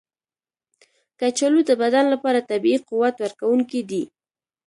کچالو د بدن لپاره طبیعي قوت ورکونکی دی.